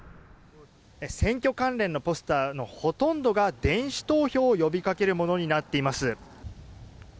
選挙関連のポスターのほとんどが電子投票を呼びかけるものになっています。